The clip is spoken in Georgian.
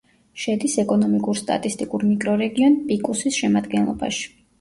შედის ეკონომიკურ-სტატისტიკურ მიკრორეგიონ პიკუსის შემადგენლობაში.